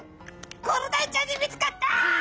コロダイちゃんに見つかった！